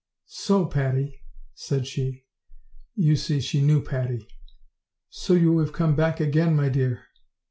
"So, Patty," said she you see, she knew Patty "so you have come back again, my dear!"